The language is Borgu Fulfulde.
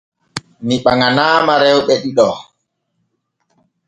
Mi ɓaŋanaama rewɓe ɗiɗo.